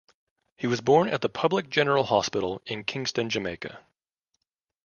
He was born at the Public General Hospital in Kingston, Jamaica.